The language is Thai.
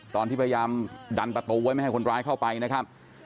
ตอนที่พยายามดันประตูไว้ไม่ให้คนร้ายเข้าไปนะครับ